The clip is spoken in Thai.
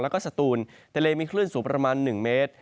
แล้วก็สตูนทะเลมีคลื่นสูงประมาณ๑เมตร